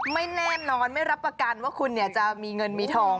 ไม่แน่นอนไม่รับประกันว่าคุณจะมีเงินมีทอง